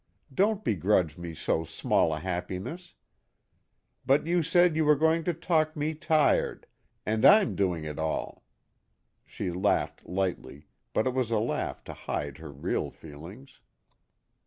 Don't begrudge me so small a happiness. But you said you were going to talk me tired, and I'm doing it all." She laughed lightly, but it was a laugh to hide her real feelings.